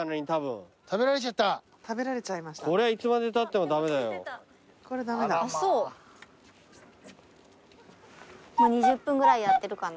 もう２０分ぐらいやってるかな。